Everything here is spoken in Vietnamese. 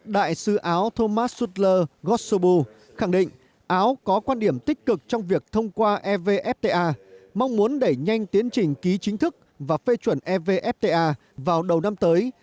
đại sứ áo thomas sútler gotsobu khẳng định áo có quan điểm tích cực trong việc thông qua evfta mong muốn đẩy nhanh tiến trình ký chính thức và phê chuẩn evfta vào đầu năm tới